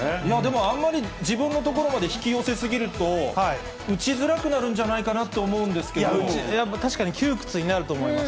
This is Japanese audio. でも、あんまり自分の所まで引き寄せ過ぎると打ちづらくなるんじゃない確かに窮屈になると思います。